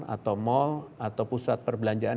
atau mal atau pusat perbelanjaan